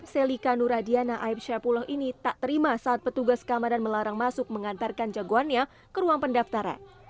selika nuradiana aib syapuloh ini tak terima saat petugas keamanan melarang masuk mengantarkan jagoannya ke ruang pendaftaran